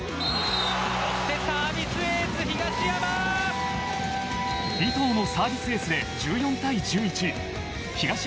そしてサービスエース東山。